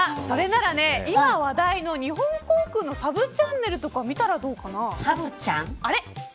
それなら今話題の日本航空のサブチャンネルとかサブちゃん。